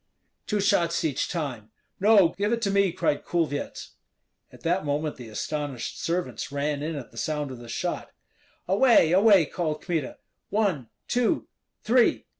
"Two shots each time!" "No; give it to me," cried Kulvyets. At that moment the astonished servants ran in at the sound of the shot. "Away! away!" called Kmita. "One! two! three!"